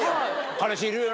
彼氏いるよな？